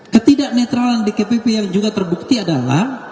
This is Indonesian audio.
ketidak netralan dkpp yang juga terbukti adalah